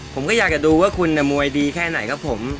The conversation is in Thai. ผมก็อยากจะดูว่าคุณมวยดีแค่ไหนครับผม